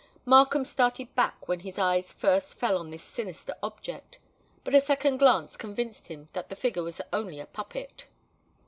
Markham started back when his eyes first fell on this sinister object; but a second glance convinced him that the figure was only a puppet.